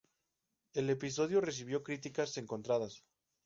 El episodio recibió críticas encontradas.